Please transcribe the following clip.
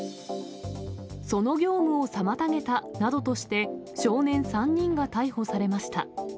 その業務を妨げたなどとして、少年３人が逮捕されました。